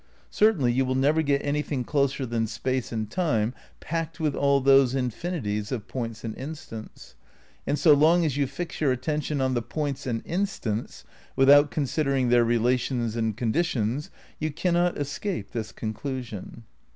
Certainly you will never get anything closer than space and time packed with all those infini ties of points and instants. And so long as you fix your attention on the points and instants, without con sidering their relations and conditions, you cannot escape this conclusion.